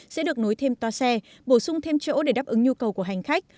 sẽ được nối thêm toa xe bổ sung thêm chỗ để đáp ứng nhu cầu của hành khách